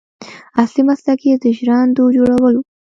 اصلي مسلک یې د ژرندو جوړول و.